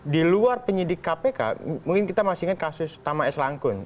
di luar penyidik kpk mungkin kita masih ingat kasus tama s langkun